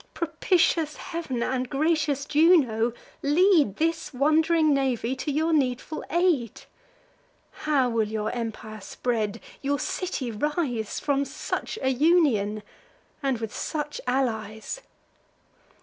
Propitious Heav'n, and gracious Juno, lead This wand'ring navy to your needful aid: How will your empire spread, your city rise, From such a union, and with such allies?